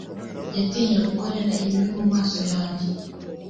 yatinye gukorera ibibi mu maso yanjye